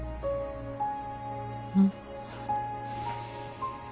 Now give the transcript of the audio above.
うん。